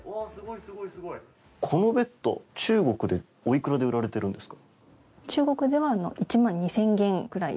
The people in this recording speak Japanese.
このベッド中国でおいくらで売られているんですか？